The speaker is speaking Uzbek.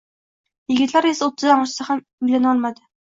Yigitlar esa oʻttizdan oshsa ham uylanolmadi.